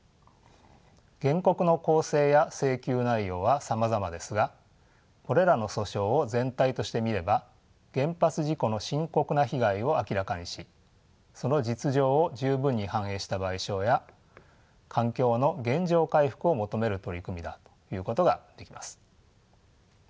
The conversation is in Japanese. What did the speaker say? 原告の構成や請求内容はさまざまですがこれらの訴訟を全体としてみれば原発事故の深刻な被害を明らかにしその実情を十分に反映した賠償や環境の原状回復を求める取り組みだということができます。